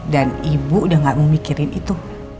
dan ibu udah gak memikirin itu